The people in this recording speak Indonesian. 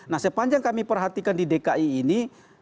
nah sepanjang kami perhatikan di dki ini